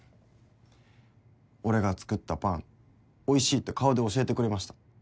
俺が作ったパン「おいしい」って顔で教えてくれました。